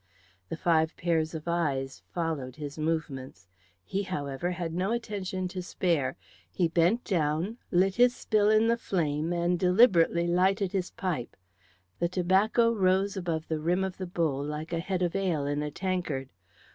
The five pairs of eyes followed his movements. He, however, had no attention to spare. He bent down, lit his spill in the flame, and deliberately lighted his pipe. The tobacco rose above the rim of the bowl like a head of ale in a tankard.